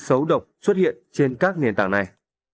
xấu độc xuất hiện trên các nền tảng này